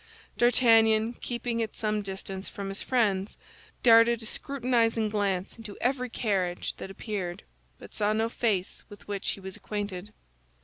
D'Artagnan, keeping at some distance from his friends, darted a scrutinizing glance into every carriage that appeared, but saw no face with which he was acquainted.